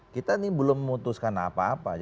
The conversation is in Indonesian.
kita ini belum memutuskan apa apa